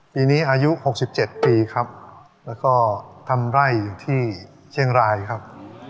ปีนี้อายุ๖๗ปีครับแล้วก็ทำไร่อยู่ที่เชียงรายครับ